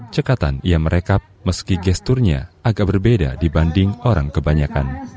cekatan ia merekap meski gesturnya agak berbeda dibanding orang kebanyakan